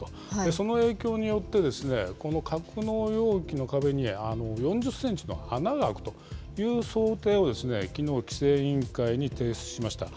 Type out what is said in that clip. その影響によって、この格納容器の壁に、４０センチの穴が開くという想定を、きのう、規制委員会に提出しました。